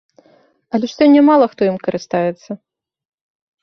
Але ж сёння мала хто ім карыстаецца.